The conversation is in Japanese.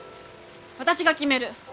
私が決める。